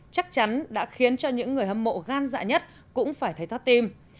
chắc chắn đã khiến cho những người hâm mộ gan dạ nhất cũng phải thấy thoát tim